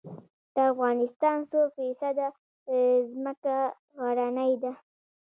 د افغانستان څو فیصده ځمکه غرنۍ ده؟